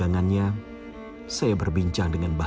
ini akan menyeluruh fc untuk bicara dengan ia